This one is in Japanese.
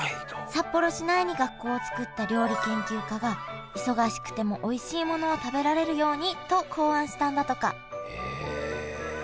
札幌市内に学校をつくった料理研究家が忙しくてもおいしいものを食べられるようにと考案したんだとかえ。